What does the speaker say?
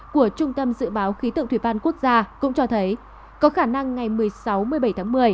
của trung tâm dự báo khí tượng thủy văn quốc gia cũng cho thấy có khả năng ngày một mươi sáu một mươi bảy tháng một mươi